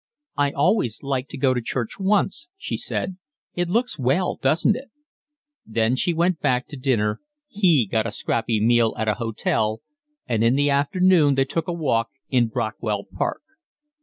"I always like to go to church once," she said. "It looks well, doesn't it?" Then she went back to dinner, he got a scrappy meal at a hotel, and in the afternoon they took a walk in Brockwell Park.